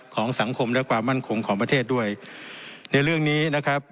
ของสังคมและความมั่นคงของประเทศด้วยในเรื่องนี้นะครับ